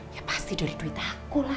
ya pasti dari berita aku lah